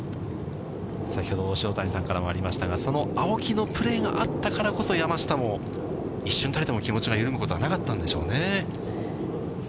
先ほど塩谷さんからもありましたが、その青木のプレーがあったからこそ、山下も一瞬たりとも気持ちが緩むことはなかったんでしょうね。